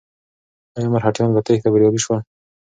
ایا مرهټیان په تېښته بریالي شول؟